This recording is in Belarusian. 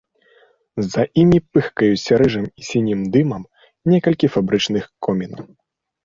За імі пыхкаюць рыжым і сінім дымам некалькі фабрычных комінаў.